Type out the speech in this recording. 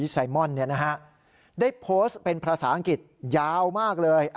ไซมอนได้โพสต์เป็นภาษาอังกฤษยาวมากเลย